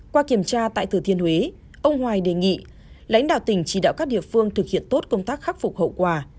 qua kiểm tra tại thừa thiên huế ông hoài đề nghị lãnh đạo tỉnh chỉ đạo các địa phương thực hiện tốt công tác khắc phục hậu quả